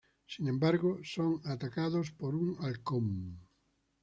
Sin embargo, son atacados por un halcón.